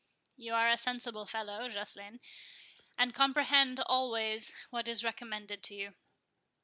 "You are a sensible fellow, Joceline, and comprehend always what is recommended to you.